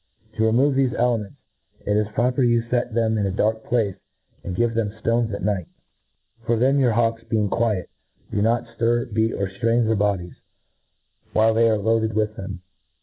To remove 'thefe ailments, it is proper you fet them in a dark place, and give them ftones at night ; for C c then y m 202 ATREATISECr then your hawks being quiet, do not ftir, beat, or ftrain their bodies, while they arc loaded with them.